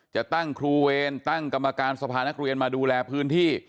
จะตั้งครูเวรตั้งกรรมการสภานักเรียนมาดูแลพื้นที่